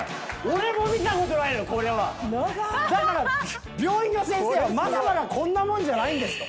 だから病院の先生はまだまだこんなもんじゃないと。